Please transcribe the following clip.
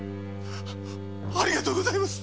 ありがとうございます。